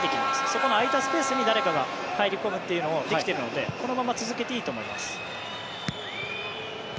そこの空いたスペースに誰かが入り込むことができているのでこのまま続けていいと思います。